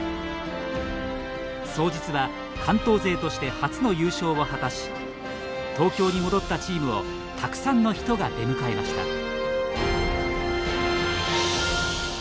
早実は関東勢として初の優勝を果たし東京に戻ったチームをたくさんの人が出迎えました。